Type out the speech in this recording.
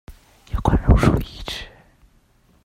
有關榕樹移植